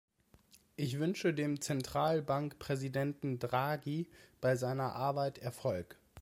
Ich wünsche dem Zentralbankpräsidenten Draghi bei seiner Arbeit Erfolg.